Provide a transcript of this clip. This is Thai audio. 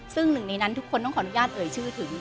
ซึ่งหนึ่งในนั้นทุกคนต้องขออนุญาตเอ่ยชื่อถึง